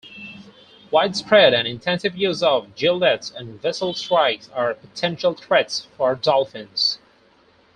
Widespread and intensive use of gillnets and vessel strikes are potential threats for dolphins.